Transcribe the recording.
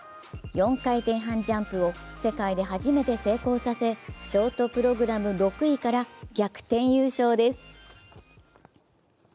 ４回転半ジャンプを世界で初めて成功させ、ショートプログラム６位から逆転優勝です。